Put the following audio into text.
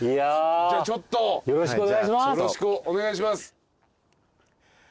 じゃあちょっとよろしくお願いします。